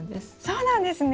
そうなんですね。